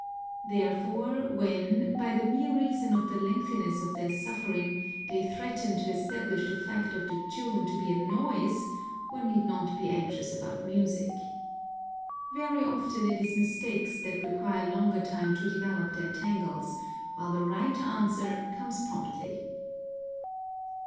Therefore when, by the mere reason of the lengthiness of their suffering, they threaten to establish the fact of the tune to be a noise, one need not be anxious about music. Very often it is mistakes that require longer time to develop their tangles, while the right answer comes promptly.